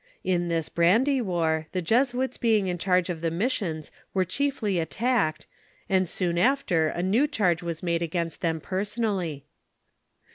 In this brand" war, the Jesuits being in charge of the missions, were chiefly attacked, and soon after a new charge was made against them personally.